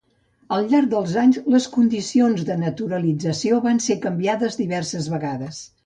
Al llarg dels anys, les condicions de naturalització van ser canviades diverses vegades.